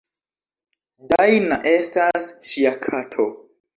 Dajna estas ŝia kato.